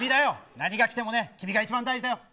何がきても君が一番大事だよ。